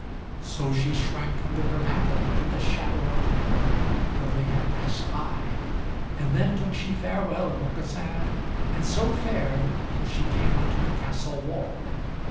So she shrank under her mantle into the shadow of the pillar till they had passed by, and then took she farewell of Aucassin, and so fared till she came unto the castle wall.